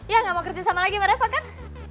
ya nggak mau kerja sama lagi mbak reva kan